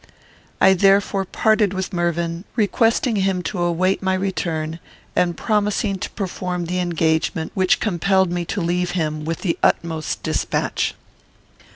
I therefore parted with Mervyn, requesting him to await my return, and promising to perform the engagement which compelled me to leave him, with the utmost despatch.